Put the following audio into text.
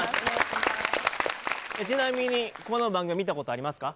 ちなみにこの番組見たことありますか？